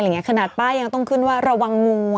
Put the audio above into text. เลยไงขนาดปั้วยังต้องขึ้นว่ารัวงงู